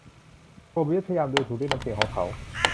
โทเบียสพยายามดูถูกด้วยน้ำเสียงของเขา